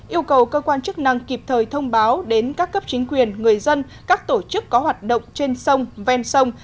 yêu cầu cơ quan chức năng kịp thời thông báo đến các cấp chính quyền người dân các tổ chức có hoạt động trên sông ven sông